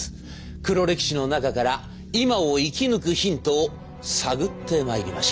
黒歴史の中から今を生き抜くヒントを探ってまいりましょう。